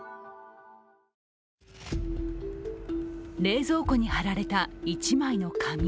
冷蔵庫に貼られた１枚の紙。